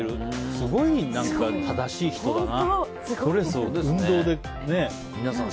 すごい正しい人だな。